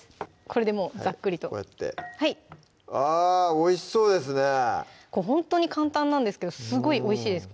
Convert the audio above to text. これでもうざっくりとあぁおいしそうですねこれほんとに簡単なんですけどすごいおいしいです